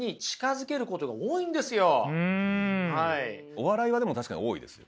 お笑いはでも確かに多いですよ。